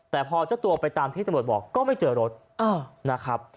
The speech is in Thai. แต่พอเจ้าตัวไปตามที่ตำรวจบอกก็ไม่เจอรถนะครับ